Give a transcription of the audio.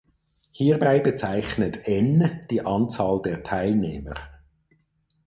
Hierbei bezeichnet "N" die Anzahl der Teilnehmer.